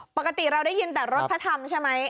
ปกติเราได้ยินแต่รถพระธรรมใช่ไหม